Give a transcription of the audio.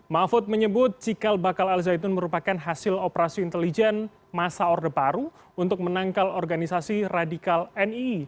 mahfud menyebut cikal bakal al zaitun merupakan hasil operasi intelijen masa orde baru untuk menangkal organisasi radikal ni